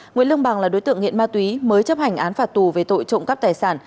nguyễn lương bằng là đối tượng nghiện ma túy mới chấp hành án phạt tù về tội trộm cắp tài sản